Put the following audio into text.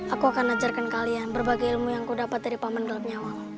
aku akan ajarkan kalian berbagai ilmu yang aku dapat dari paman gelap nyawa